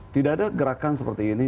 tidak ada gerakan seperti ini